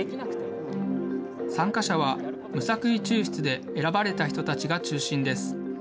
参加者は、無作為抽出で選ばれた人たちが中心です。